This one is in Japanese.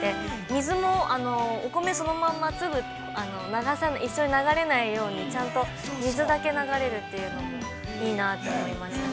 水も、お米そのまま一緒に流れないようにちゃんと水だけ流れるというのもいいなって思いました。